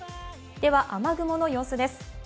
雨雲の様子です。